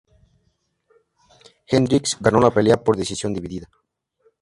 Hendricks ganó la pelea por decisión dividida.